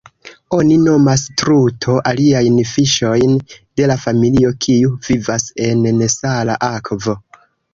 Oni nomas truto aliajn fiŝojn de la familio, kiu vivas en nesala akvo.